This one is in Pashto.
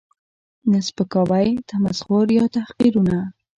، نه سپکاوی، تمسخر یا تحقیرونه